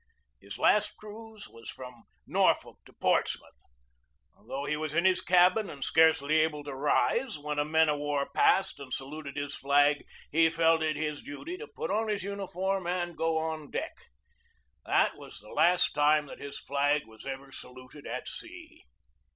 His last cruise was from Norfolk to Portsmouth. Though he was in his cabin and scarcely able to rise, when a man of war passed and saluted his flag he felt it his duty to put on his uni form and go on deck. That was the last time that his flag was ever saluted at sea.